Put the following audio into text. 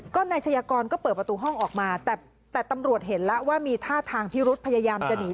ก็นายชายากรก็เปิดประตูห้องออกมาแต่ตำรวจเห็นแล้วว่ามีท่าทางพิรุธพยายามจะหนี